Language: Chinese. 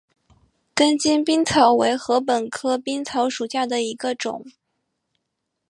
根茎冰草为禾本科冰草属下的一个种。